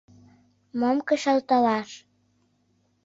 Мом кычалтылаш?..